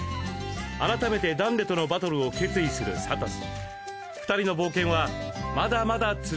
改めてダンデとのバトルを決意するサトシ。